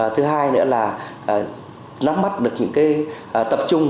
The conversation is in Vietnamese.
thứ hai nữa là nắm mắt được những cái tập trung